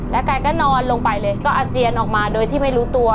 แกก็นอนลงไปเลยก็อาเจียนออกมาโดยที่ไม่รู้ตัว